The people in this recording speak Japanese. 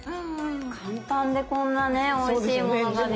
簡単でこんなねおいしいものが出来るなんて。